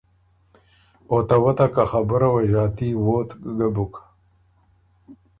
او ته وتک ا خبُره وه ݫاتي ووتک ګه بُک۔